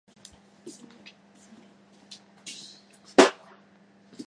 打つ方は必ずなんとかします